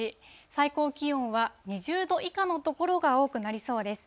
最高気温は２０度以下の所が多くなりそうです。